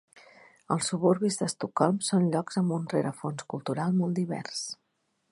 Els suburbis d'Estocolm són llocs amb un rerefons cultural molt divers.